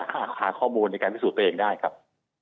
หาข้อมูลในการพิสูจน์ตัวเองได้ครับ